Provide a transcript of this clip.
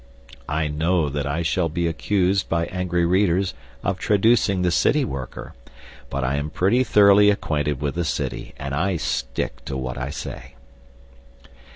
(I know that I shall be accused by angry readers of traducing the city worker; but I am pretty thoroughly acquainted with the City, and I stick to what I say.)